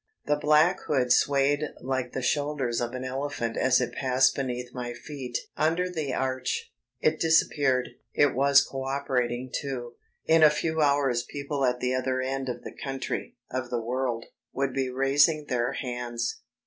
The black hood swayed like the shoulders of an elephant as it passed beneath my feet under the arch. It disappeared it was co operating too; in a few hours people at the other end of the country of the world would be raising their hands.